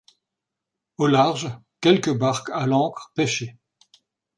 Au large, quelques barques, à l’ancre, pêchaient.